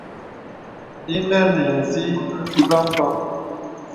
Ìnə nə̀ inzì nzo mpɔk.